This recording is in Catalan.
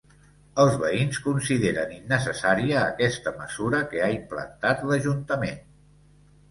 Els veïns consideren innecessària aquesta mesura que ha implantat l'ajuntament.